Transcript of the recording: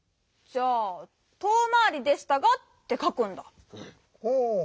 じゃあ「とおまわりでしたが」ってかくんだ。